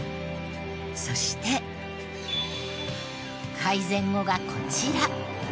そして改善後がこちら。